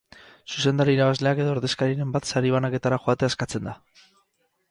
Zuzendari irabazleak edo ordezkariren bat sari banaketara joatea eskatzen da.